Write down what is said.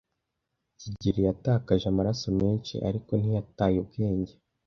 kigeli yatakaje amaraso menshi, ariko ntiyataye ubwenge.